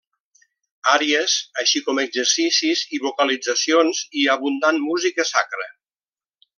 Àries, així com exercicis i vocalitzacions i abundant música sacra.